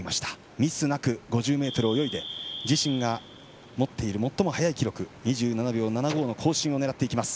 ミスなく５０ｍを泳いで自身が持っている最も早い記録２７秒７５の更新を狙っていきます。